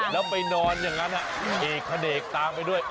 แล้วไปนอนอย่างนั้นเอกขเนกตามไปด้วย